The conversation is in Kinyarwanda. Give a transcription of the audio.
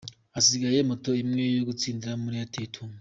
Hasigaye moto imwe yo gutsindira muri Airtel Tunga.